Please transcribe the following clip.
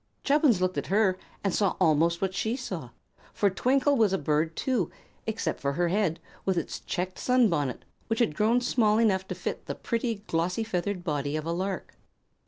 Chubbins looked at her and saw almost what she saw; for Twinkle was a bird too, except for her head, with its checked sunbonnet, which had grown small enough to fit the pretty, glossy feathered body of a lark.